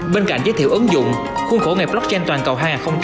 bên cạnh giới thiệu ứng dụng khuôn khổ nghệ blockchain toàn cầu hai nghìn hai mươi hai